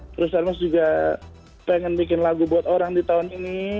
terus termos juga pengen bikin lagu buat orang di tahun ini